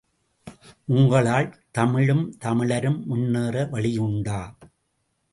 உங்களால் தமிழும் தமிழரும் முன்னேற வழியுண்டா?